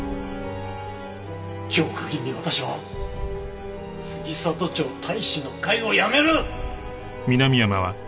今日を限りに私は杉里町隊士の会を辞める！